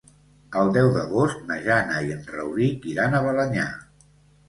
El deu d'agost na Jana i en Rauric iran a Balenyà.